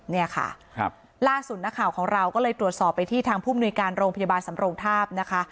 เนี่ยค่ะล่าสุดนักข่าวของเราก็เลยตรวจสอบไปที่ทางผู้มนุยการโรงพยาบาลสำโรงทาบนะคะ